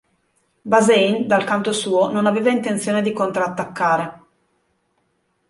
Bazaine dal canto suo non aveva intenzione di contrattaccare.